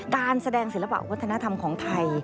การแสดงศิลปะวัฒนธรรมของไทย